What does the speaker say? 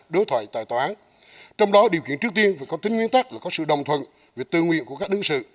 đối thoại tại tòa án trong đó điều kiện trước tiên phải có tính nguyên tắc là có sự đồng thuận về tư nguyện của các đương sự